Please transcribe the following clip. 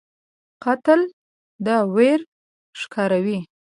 قاتل د ویر ښکاروي